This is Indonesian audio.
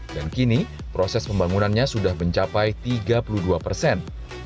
dan kini proses pembangunannya sudah mencapai tiga puluh dua persen